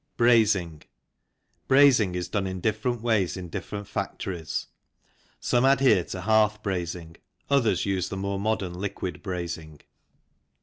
Brazing. Brazing is done in different ways in different factories, some adhere to hearth brazing, others use the more modern liquid brazing.